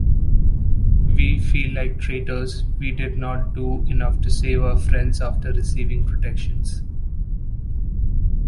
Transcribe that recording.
We feel like traitors, we did not do enough to save our friends after receiving protections.